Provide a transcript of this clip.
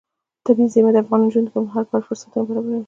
طبیعي زیرمې د افغان نجونو د پرمختګ لپاره فرصتونه برابروي.